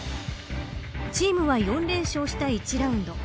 チームは４連勝した一次ラウンド。